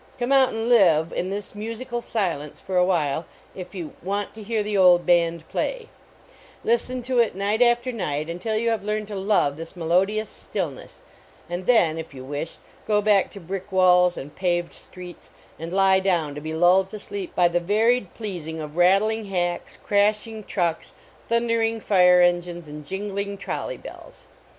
Come out and live in this musical silence for awhile if you "want to hear the old band play" ; listen to it, night after night, until you have learned to love this melodious stillness, and then if you wish, go back to brick walls and paved streets, and lie down to be lulled to sleep by the varied pleasing of rattling hacks, crashing trucks, 1 60 THE KATYDID IX OPERA thundering fire engines and jingling trolley bells.